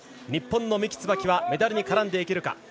日本の三木つばきはメダルに絡んでいけるか。